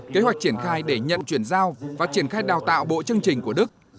kế hoạch triển khai để nhận chuyển giao và triển khai đào tạo bộ chương trình của đức